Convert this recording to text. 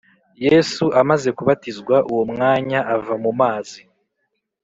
Yesu amaze kubatizwa uwo mwanya ava mu mazi